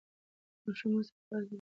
ماشومه اوس په پارک کې ګرځي.